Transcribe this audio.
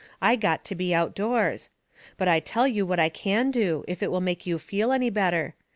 I got to be outdoors. But I tell you what I can do, if it will make you feel any better.